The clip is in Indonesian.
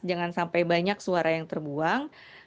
jangan sampai banyak suara yang terbuang